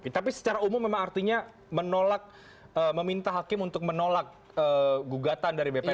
tapi secara umum memang artinya menolak meminta hakim untuk menolak gugatan dari bpn